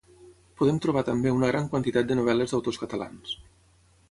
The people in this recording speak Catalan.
Podem trobar també una gran quantitat de novel·les d'autors catalans.